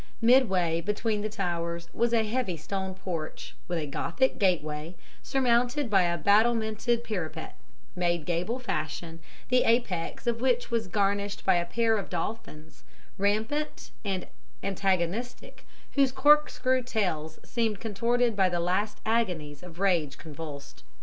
Midway between the towers was a heavy stone porch, with a Gothic gateway, surmounted by a battlemented parapet, made gable fashion, the apex of which was garnished by a pair of dolphins, rampant and antagonistic, whose corkscrew tails seemed contorted by the last agonies of rage convulsed.